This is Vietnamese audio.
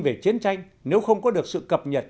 về chiến tranh nếu không có được sự cập nhật